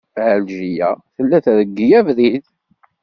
Ɛelǧiya tella treggel abrid.